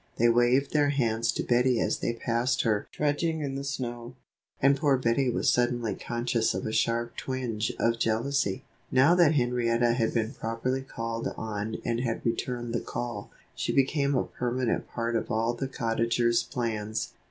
They waved their hands to Bettie as they passed her trudging in the snow; and poor Bettie was suddenly conscious of a sharp twinge of jealousy. Now that Henrietta had been properly called on and had returned the call, she became a permanent part of all the Cottagers' plans.